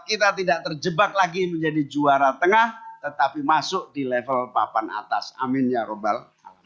ia terjebak lagi menjadi juara tengah tetapi masuk di level papan atas amin ya robbal